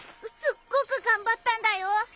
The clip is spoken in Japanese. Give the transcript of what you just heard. すっごく頑張ったんだよ。